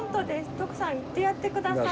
徳さん言ってやってください。